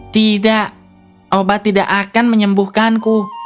tidak obat tidak akan menyembuhkanku